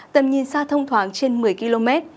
tầm nhìn xa thông thoáng trên một mươi km